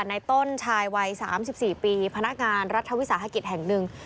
ในต้นชายวัย๓๔ปีพนักงานรัฐวิสาหกิจแห่งหนึ่ง